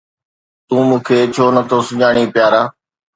تون مون کي ڇو نٿو سڃاڻين پيارا؟